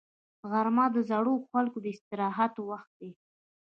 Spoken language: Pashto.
غرمه د زړو خلکو د استراحت وخت دی